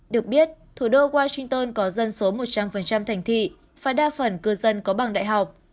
được biết thủ đô washington có dân số một trăm linh thành thị và đa phần cư dân có bằng đại học